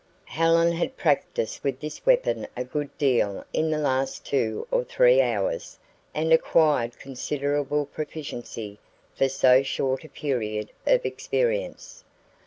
Helen had practiced with this weapon a good deal in the last two or three hours and acquired considerable proficiency for so short a period of experience.